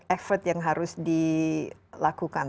effort yang harus dilakukan